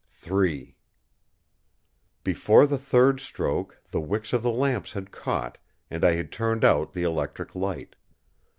Three! Before the third stroke the wicks of the lamps had caught, and I had turned out the electric light.